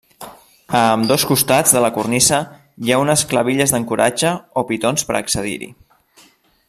A ambdós costats de la cornisa hi ha unes clavilles d'ancoratge o pitons per accedir-hi.